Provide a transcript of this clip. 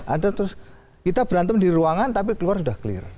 ada terus kita berantem di ruangan tapi keluar sudah clear